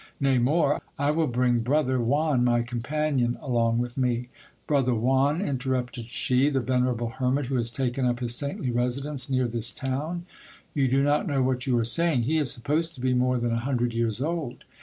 Nay, more ; I will bring brother Juan, my companion, along with me. Brother Juan, interrupted she, the venerable hermit who has taken up his saintly residence near this town ? You do not know what you are saying ; he is supposed to be more than a hundred years old.